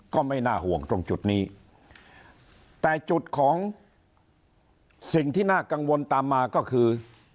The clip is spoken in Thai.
ก็ไม่น่าห่วงตรงจุดนี้แต่จุดของสิ่งที่น่ากังวลตามมาก็คือ